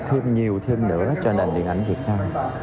thêm nhiều thêm nữa cho nền điện ảnh việt nam